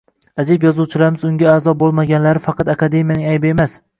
Ajoyib yozuvchilarimiz unga a’zo bo‘lmaganlari faqat akademiyaning aybi emas